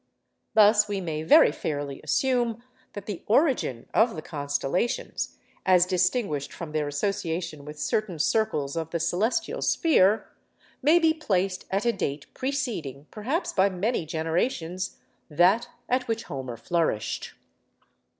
Thus we may very fairly assume that the origin of the constellations (as distinguished from their association with certain circles of the celestial sphere) may be placed at a date preceding, perhaps by many generations, that at which Homer flourished.